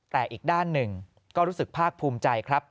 แต่อีกด้านหนึ่งก็รู้สึกภาคภูมิใจครับ